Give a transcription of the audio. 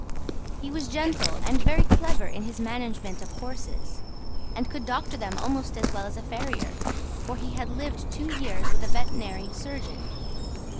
He was gentle and very clever in his management of horses, and could doctor them almost as well as a farrier, for he had lived two years with a veterinary surgeon.